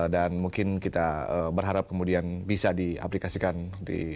dan mungkin kita berharap kemudian bisa diaplikasikan di kemudian hari dan menjadi jaminan